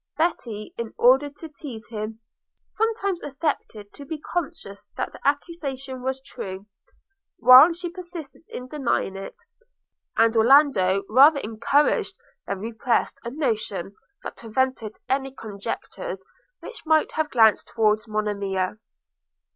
Betty, in order to tease him, sometimes affected to be conscious that the accusation was true, while she persisted in denying it; and Orlando rather encouraged than repressed a notion that prevented any conjectures which might have glanced towards Monimia.